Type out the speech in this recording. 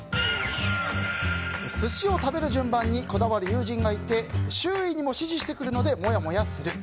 寿司を食べる順番にこだわる友人がいて周囲にも指示してくるのでモヤモヤする。